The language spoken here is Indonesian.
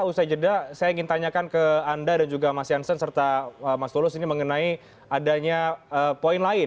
usai jeda saya ingin tanyakan ke anda dan juga mas jansen serta mas tulus ini mengenai adanya poin lain